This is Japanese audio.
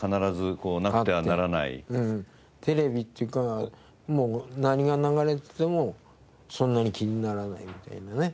テレビっていうかもう何が流れててもそんなに気にならないみたいなね。